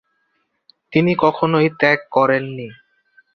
তিনি কখনই ত্যাগ করেননি।